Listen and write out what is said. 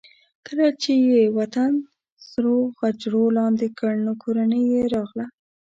کله چې یې وطن سرو غجرو لاندې کړ نو کورنۍ یې راغله.